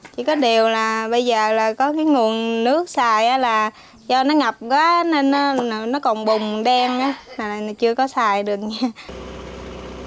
chỉ có điều là bây giờ là có cái nguồn nước sạch là do nó ngập quá nên nó còn bùng đen là nó chưa có sạch được nha